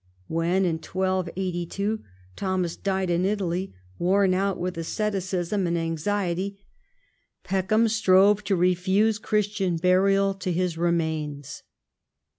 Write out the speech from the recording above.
When, in 1282, Thomas died in Italy, worn out with asceticism and anxiety, Peckham strove to refuse Christian burial to his remains.